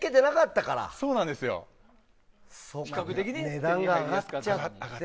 値段が上がっちゃって。